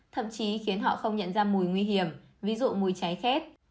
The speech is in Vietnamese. thậm chí khiến họ không nhận ra mùi nguy hiểm ví dụ mùi cháy khét